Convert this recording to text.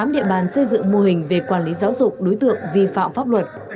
tám địa bàn xây dựng mô hình về quản lý giáo dục đối tượng vi phạm pháp luật